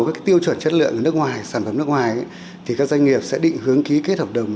các tiêu chuẩn chất lượng ở nước ngoài sản phẩm nước ngoài thì các doanh nghiệp sẽ định hướng ký kết hợp đồng